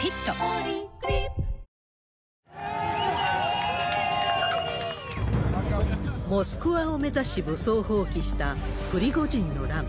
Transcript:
ポリグリップモスクワを目指し武装蜂起したプリゴジンの乱。